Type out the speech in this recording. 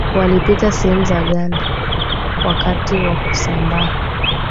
walipitia sehemu za ganda wakati wa kusambaa